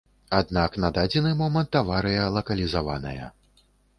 Аднак на дадзены момант аварыя лакалізаваная.